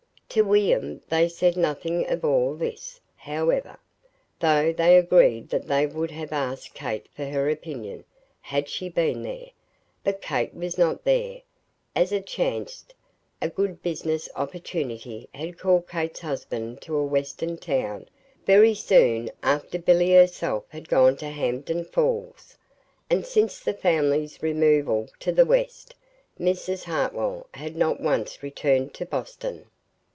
To William they said nothing of all this, however; though they agreed that they would have asked Kate for her opinion, had she been there. But Kate was not there. As it chanced, a good business opportunity had called Kate's husband to a Western town very soon after Billy herself had gone to Hampden Falls; and since the family's removal to the West, Mrs. Hartwell had not once returned to Boston.